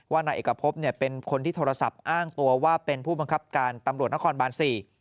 นายเอกพบเนี่ยเป็นคนที่โทรศัพท์อ้างตัวว่าเป็นผู้บังคับการตำรวจนครบานสี่